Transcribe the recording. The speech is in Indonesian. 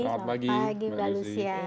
selamat pagi mbak lucia